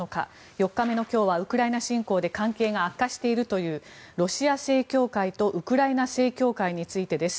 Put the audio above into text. ４日目の今日はウクライナ侵攻で関係が悪化しているというロシア正教会とウクライナ正教会についてです。